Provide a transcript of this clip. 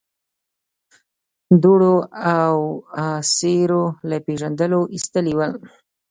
دوړو او سيورو له پېژندلو ايستلي ول.